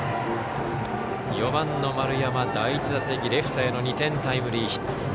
４番の丸山、第１打席レフトへの２点タイムリーヒット。